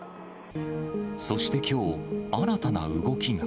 そしてきょう、新たな動きが。